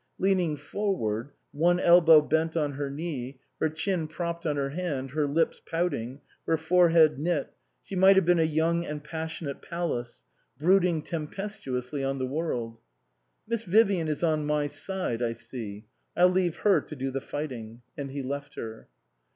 Leaning forward, one elbow bent on her knee, her chin propped on her hand, her lips pouting, her fore head knit, she might have been a young and passionate Pallas, brooding tempestuously on the world. " Miss Vivian is on my side, I see. I'll leave her to do the fighting." And he left her.